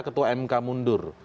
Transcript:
ketua mk mundur